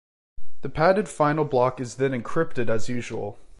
The padded final block is then encrypted as usual.